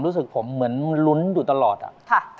ดีบรอดข้าวใจหัวใจของรอ